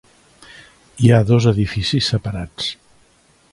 Hi ha dos edificis separats.